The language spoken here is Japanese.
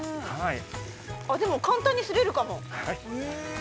でも、簡単に擦れるかも。